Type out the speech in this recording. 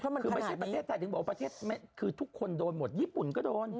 คือไม่ใช่ประเทศไทยถึงบอกว่าประเทศคือทุกคนโดนหมดญี่ปุ่นก็โดน